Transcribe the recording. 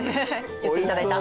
言っていただいた。